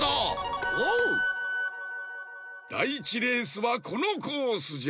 だい１レースはこのコースじゃ！